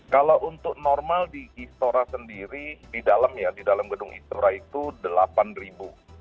kalau untuk normal di istora sendiri di dalam gedung istora itu delapan ribu